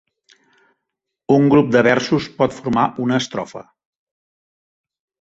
Un grup de versos pot formar una estrofa.